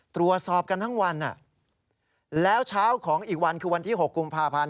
ตรวจสอบกันทั้งวันแล้วเช้าของอีกวันคือวันที่๖กุมภาพันธ์